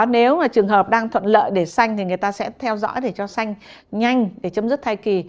nếu mà trường hợp đang thuận lợi để xanh thì người ta sẽ theo dõi để cho xanh nhanh để chấm dứt thai kỳ